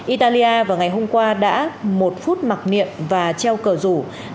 italia vào ngày hôm qua đã một phút mặc niệm và treo cờ rủ